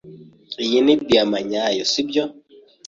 Iyi ni diyama nyayo, sibyo?